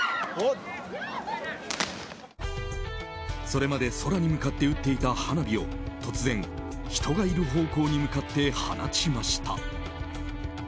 それまで空に向かって打っていた花火を突然、人がいる方向に向かって放ちました。